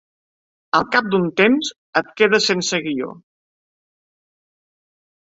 Al cap d'un temps, et quedes sense guió.